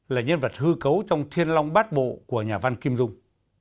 là nhân vật hư cấu trong thiên long bát bộ của nhà văn kim dung